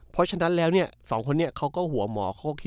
เพราะฉะนั้นแล้วเนี่ยสองคนนี้เขาก็หัวหมอกที่